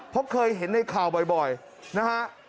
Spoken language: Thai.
เพราะเคยเห็นในข่าวบ่อยนะฮะ